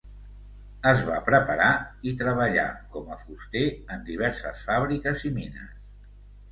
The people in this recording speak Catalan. Es va preparar i treballà com a fuster en diverses fàbriques i mines.